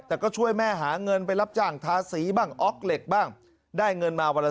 แต่ก็ช่วยแม่หาเงินไปรับจ้างท้าสีบ้างอ๊อกเหล็กบ้าง